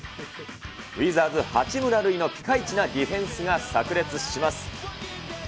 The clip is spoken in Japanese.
ウィザーズ、八村塁のピカイチなディフェンスがさく裂します。